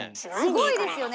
すごいですよね